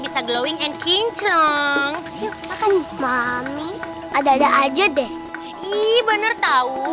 iya bener tau